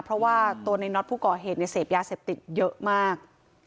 เพราะว่าตัวในน็อตผู้ก่อเหตุเสพยาเสพติดเยอะมาก